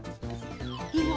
いいよ。